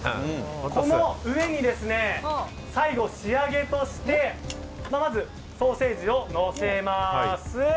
この上に、最後仕上げとしてまずソーセージをのせます。